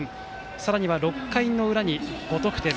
さらには６回の裏に５得点。